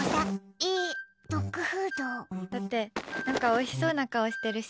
え、ドッグフード？だって、何かおいしそうな顔してるし。